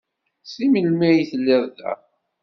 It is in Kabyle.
Seg melmi ay telliḍ da?